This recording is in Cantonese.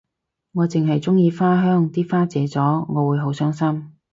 我淨係鍾意花香啲花謝咗我會好傷心